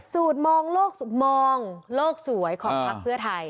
สูตรมองโลกสวยของภักดิ์เพื่อไทย